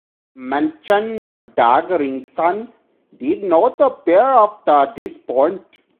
Mention of Dag Ringsson did not appear after this point.